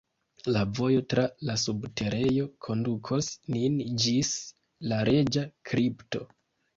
La vojo tra la subterejo kondukos nin ĝis la reĝa kripto.